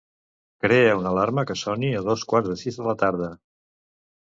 Crea una alarma que soni a dos quarts de sis de la tarda.